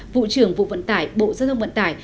vụ trưởng vụ vận tải bộ giao thông vận tải